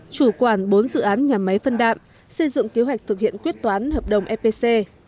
chủ quản bốn dự án nhà máy phân đạm xây dựng kế hoạch thực hiện quyết toán hợp đồng fpc